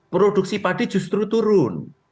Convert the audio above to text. produksi padi justru turun